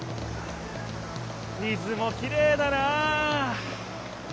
水もきれいだな！